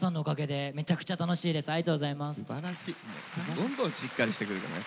どんどんしっかりしてくるよね。